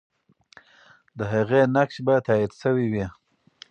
د هغې نقش به تایید سوی وي.